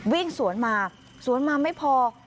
วิ่งสวนมาสวนมาไม่พอ